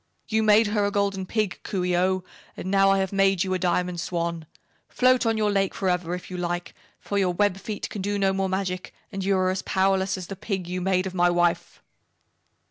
You made her a Golden Pig, Coo ee oh, and now I have made you a Diamond Swan. Float on your lake forever, if you like, for your web feet can do no more magic and you are as powerless as the Pig you made of my wife!